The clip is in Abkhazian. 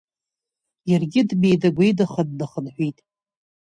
Иаргьы дмеида-гәеидаха днахынҳәит.